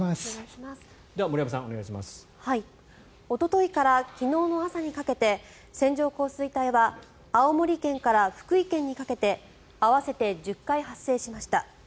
おとといから昨日の朝にかけて、線状降水帯は青森県から福井県にかけて合わせて１０回発生しました。